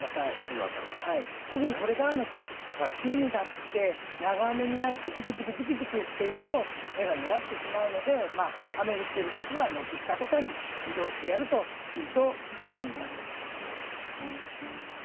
特にこれからの季節梅雨になってきて長雨になるとジュクジュクジュクジュクしていると根が弱ってしまうので雨降っている時は軒下とかに移動してやるといいと思います。